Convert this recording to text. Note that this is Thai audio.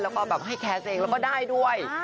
แล้วก็แบบให้แคสเองแล้วก็ได้ด้วย